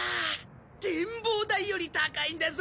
展望台より高いんだぞ。